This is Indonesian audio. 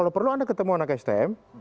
kalau perlu anda ketemu anak stm